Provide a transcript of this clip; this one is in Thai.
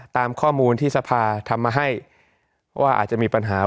ตามข้อมูลที่สภาทำมาให้ว่าอาจจะมีปัญหา